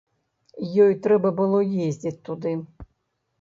Ёй трэба было ездзіць туды.